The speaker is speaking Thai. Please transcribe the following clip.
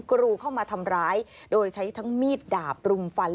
กรูเข้ามาทำร้ายโดยใช้ทั้งมีดดาบรุมฟัน